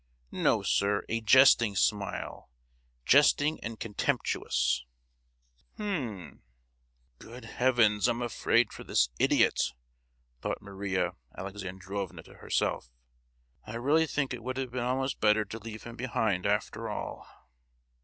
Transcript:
No, sir, a jesting smile—jesting and contemptuous!" "H'm." "Good heavens. I'm afraid for this idiot," thought Maria Alexandrovna to herself. "I really think it would have been almost better to leave him behind, after all."